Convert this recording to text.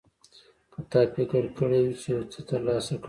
که تا فکر کړی وي چې یو څه ترلاسه کړې.